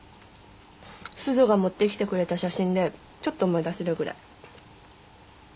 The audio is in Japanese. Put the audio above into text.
すずが持ってきてくれた写真でちょっと思い出せるぐらい。